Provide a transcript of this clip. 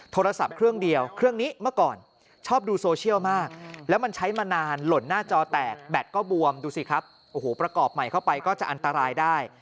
โทรศัพท์เครื่องเดียวเครื่องนี้เมื่อก่อนชอบดูโซเชียลมากแล้วมันใช้มานานหล่นหน้าจอแตกแบตก็บวมดูสิครับโอ้โหประกอบใหม่เข้าไปก็จะอันตรายได้